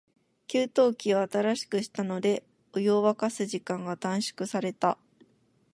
給湯器を新しくしたので、お風呂を沸かす時間が短縮された。